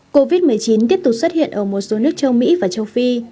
covid một mươi chín tiếp tục xuất hiện ở một số nước châu mỹ và châu phi